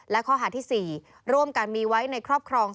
และข้อหาที่๔ร่วมกันมีไว้ในครอบครอง